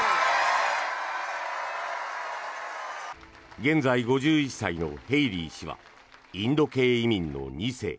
現在、５１歳のヘイリー氏はインド系移民の２世。